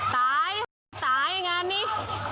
ตายตายงานนี้